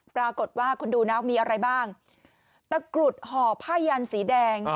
ปรากฏว่าคุณดูนะมีอะไรบ้างตะกรุดห่อผ้ายันสีแดง